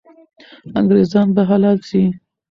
انګریزان به حلال سي.